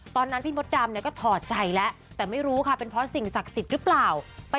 ตอนนั้นพี่มดดำเนี่ยก็ถอดใจแล้วแต่ไม่รู้ค่ะเป็นเพราะสิ่งศักดิ์สิทธิ์หรือเปล่า